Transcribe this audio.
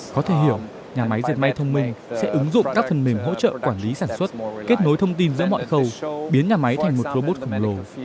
có thể hiểu nhà máy diệt may thông minh sẽ ứng dụng các phần mềm hỗ trợ quản lý sản xuất kết nối thông tin giữa mọi khâu biến nhà máy thành một robot khổng lồ